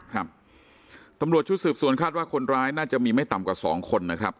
ครับตำรวจชุดสืบสวนคาดว่าคนร้ายน่าจะมีไม่ต่ำกว่าสองคนนะครับ